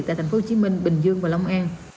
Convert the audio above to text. tại thành phố hồ chí minh bình dương và long an